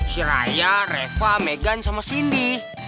si raya reva megan sama cindy